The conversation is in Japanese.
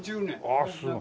ああすごい。